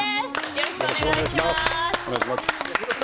よろしくお願いします。